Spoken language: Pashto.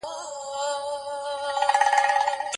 ميرمني ته د واده پر وخت څه ورکول سوي وي؟